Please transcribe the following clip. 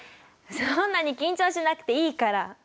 そんなに緊張しなくていいから。